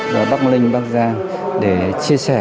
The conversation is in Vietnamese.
do bắc ninh bắc giang để chia sẻ